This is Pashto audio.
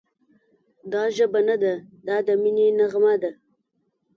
دا ژبه نه ده، دا د مینې نغمه ده»